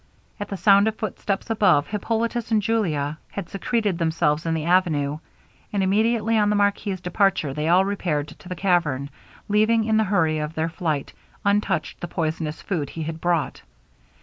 At the sound of footsteps above, Hippolitus and Julia had secreted themselves in the avenue; and immediately on the marquis's departure they all repaired to the cavern, leaving, in the hurry of their flight, untouched the poisonous food he had brought.